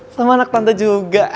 sama anak tante juga